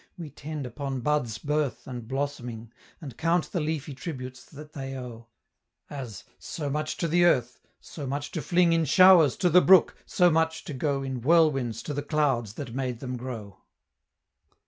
We tend upon buds birth and blossoming, And count the leafy tributes that they owe As, so much to the earth so much to fling In showers to the brook so much to go In whirlwinds to the clouds that made them grow."